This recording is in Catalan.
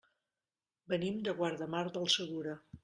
Venim de Guardamar del Segura.